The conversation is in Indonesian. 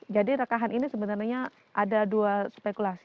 jadi rekahan ini sebenarnya ada dua spekulasi